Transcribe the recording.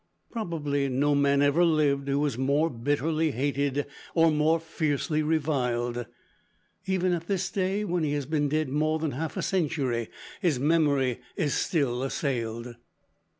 Probably no man ever lived who was more bitterly hated or more fiercely reviled. Even at this day, when he has been dead more than half a century, his memory is still assailed.